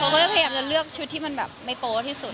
พยายามจะเลือกชุดที่ไม่โปรดที่สุด